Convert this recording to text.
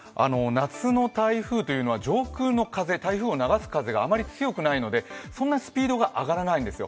夏の台風というのは上空の風、台風を流す風があまり強くないのでそんなにスピードが上がらないんですよ。